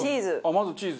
まずチーズ？